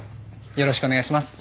よろしくお願いします。